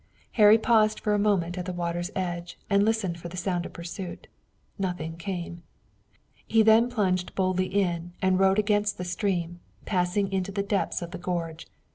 Harry paused a moment at the water's edge and listened for the sounds of pursuit. None came. Then he plunged boldly in and rode against the stream, passing into the depths of the gorge.